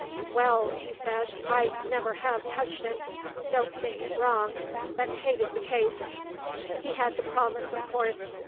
"Well," he said, "I never have touched it don't think it wrong, but hated the taste." He had to promise, of course.